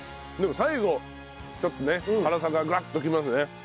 でも最後ちょっとね辛さがガッときますね。